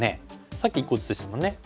さっき１個ずつでしたもんね。